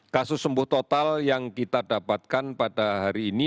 kasus sembuh total yang kita dapatkan pada hari ini